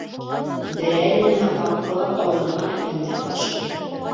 Берәр нәмә ҡапҡылап алырға мин дә ҡаршы түгел